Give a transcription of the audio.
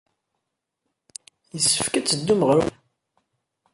Yessefk ad teddum ɣer umahil.